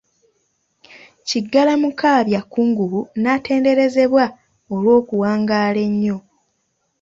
Kiggala Mukaabya Kkungubu n'atenderezebwa olw'okuwangaala ennyo.